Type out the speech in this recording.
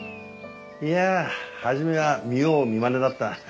いやあ初めは見よう見まねだった。